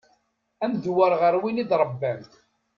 Ad ndewweṛ ɣer win i d-ṛebbant.